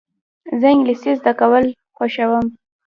زه انګلېسي زده کول خوښوم.